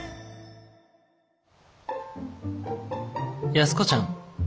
「安子ちゃん。